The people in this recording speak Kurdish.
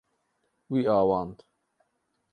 Wî avand.